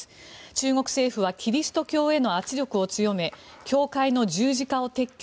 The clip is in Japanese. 中国政府はキリスト教への圧力を強め教会の十字架を撤去。